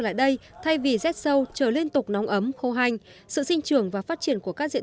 lại đây thay vì rét sâu trở liên tục nóng ấm khô hanh sự sinh trường và phát triển của các diện